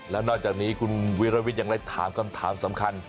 แล้วนอกจากนี้คุณวิรวิทย์ยังได้ถามคำถามสำคัญ